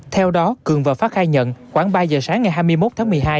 theo đó cường và phát khai nhận khoảng ba giờ sáng ngày hai mươi một tháng một mươi hai